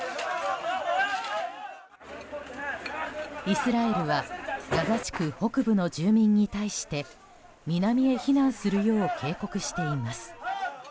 イスラエルはガザ地区北部の住民に対して南へ避難するよう警告しています。